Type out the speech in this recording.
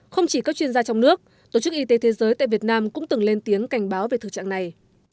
không chỉ các chuyên gia trong nước tổ chức y tế thế giới tại việt nam cũng từng lên tiếng cảnh báo về thực trạng này